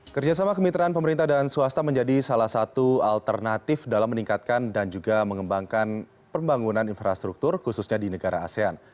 kerjasama kemitraan pemerintah dan swasta menjadi salah satu alternatif dalam meningkatkan dan juga mengembangkan pembangunan infrastruktur khususnya di negara asean